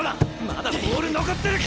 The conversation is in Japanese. まだボール残ってる！